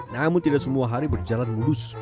namun tidak semua hari berjalan mulus